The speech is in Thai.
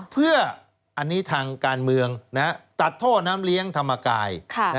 เพื่ออันนี้ทางการเมืองตัดท่อน้ำเลี้ยงธรรมกาย